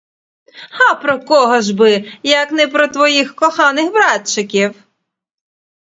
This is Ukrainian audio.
А про кого ж би, як не про твоїх коханих братчиків?